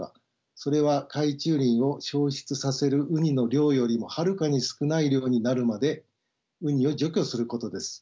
それは海中林を消失させるウニの量よりもはるかに少ない量になるまでウニを除去することです。